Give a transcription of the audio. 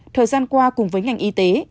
thời gian qua cùng với ngành y tế